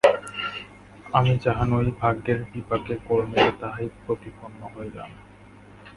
আমি যাহা নই ভাগ্যের বিপাকে গোলেমালে তাহাই প্রতিপন্ন হইলাম।